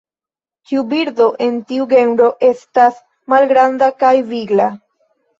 Ĉiu birdo en tiu genro estas malgranda kaj vigla.